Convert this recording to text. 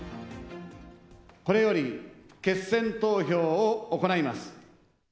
これより、決選投票を行います。